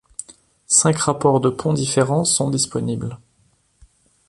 Cinq rapports de pont différents sont disponibles.